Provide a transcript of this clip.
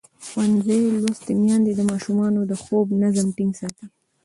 ښوونځې لوستې میندې د ماشومانو د خوب نظم ټینګ ساتي.